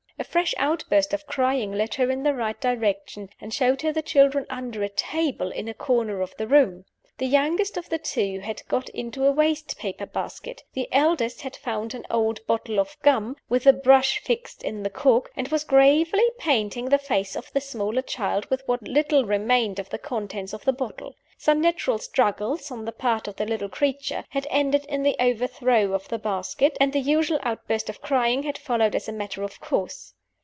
A fresh outburst of crying led her in the right direction, and showed her the children under a table in a corner of the room. The youngest of the two had got into a waste paper basket. The eldest had found an old bottle of gum, with a brush fixed in the cork, and was gravely painting the face of the smaller child with what little remained of the contents of the bottle. Some natural struggles, on the part of the little creature, had ended in the overthrow of the basket, and the usual outburst of crying had followed as a matter of course.